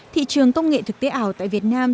thị trường công nghệ thực tế ảo tại việt nam